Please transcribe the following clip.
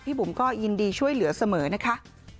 บุ๋มก็ยินดีช่วยเหลือเสมอนะคะ